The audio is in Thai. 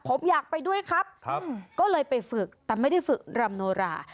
ผมอยากไปด้วยครับก็เลยไปฝึกแต่ไม่ได้ฝึกรำโนรา